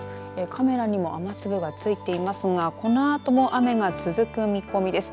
カメラにも雨粒がついていますがこのあとも雨が続く見込みです。